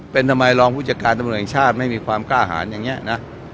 เป็นทำไมรองผู้จัดการตำรวจแห่งชาติไม่มีความกล้าหารอย่างนี้นะ